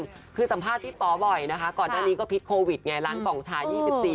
คุณผู้ชมสัมภาษณ์ที่ป๋อบ่อยนะคะก่อนหน้านี้ก็ภิษฐรณิการโควิดไงร้านกองชาย๒๔